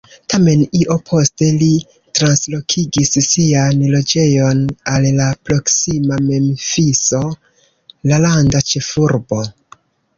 Tamen, io poste li translokigis sian loĝejon al la proksima Memfiso, la landa ĉefurbo.